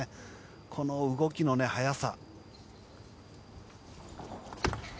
この動きの速さ。